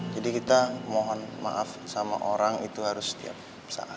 jadi kita mohon maaf sama orang itu harus setiap saat